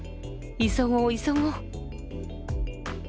急ごう急ごう。